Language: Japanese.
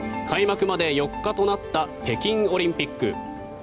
開幕まで４日となった北京オリンピック。